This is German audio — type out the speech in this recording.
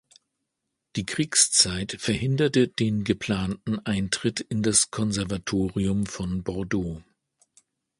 Die Kriegszeit verhinderte den geplanten Eintritt in das Konservatorium von Bordeaux.